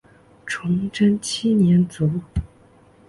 崇祯七年卒。